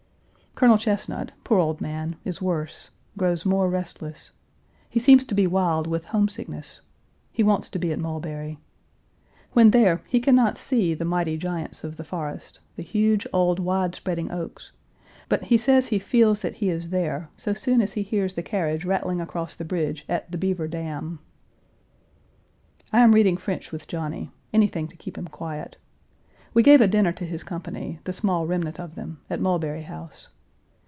Colonel Chesnut, poor old man, is worse grows more restless. He seems to be wild with "homesickness." He wants to be at Mulberry. When there he can not see the mighty giants of the forest, the huge, old, wide spreading oaks, but he says he feels that he is there so soon as he hears the carriage rattling across the bridge at the Beaver Dam. I am reading French with Johnny anything to keep him quiet. We gave a dinner to his company, the small remnant of them, at Mulberry house.